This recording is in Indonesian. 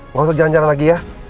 maksudnya jangan jangan lagi ya